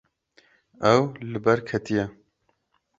Ew li ber ketiye.